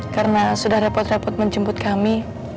karena sudah repot repot menjemput kami